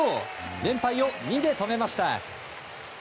連敗を２で止めました。